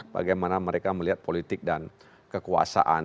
bagaimana mereka melihat politik dan kekuasaan